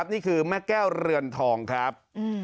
นี่คือแม่แก้วเรือนทองครับ